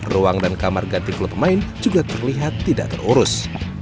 ruang dan kamar ganti klub pemain juga terlihat tidak terurus